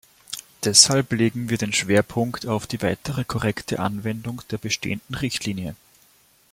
Deshalb legen wir den Schwerpunkt auf die weitere korrekte Anwendung der bestehenden Richtlinie.